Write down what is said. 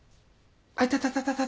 あ痛たたたた。